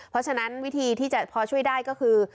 เพราะฉะนั้นวิธีที่จะพอช่วยได้ก็คือ